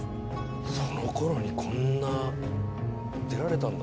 そのころにこんな建てられたんだ。